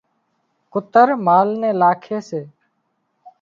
ڪُتر مال نين لاکي سي